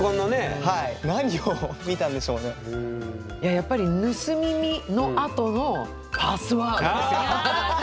やっぱり「盗み見」のあとの「パスワード」ですよ。